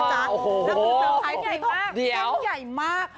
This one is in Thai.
โอ้โฮเดี๋ยวสะพายใหญ่มาก